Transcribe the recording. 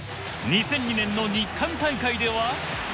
２００２年の日韓大会では。